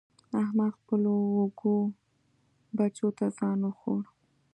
احمد خپلو وږو بچو ته ځان وخوړ.